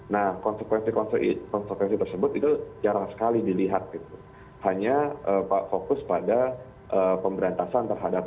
nah konsekuensi konsekuensi tersebut itu jarang sekali dilihat hanya fokus pada pemberantasan terhadap